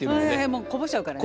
もうこぼしちゃうからね。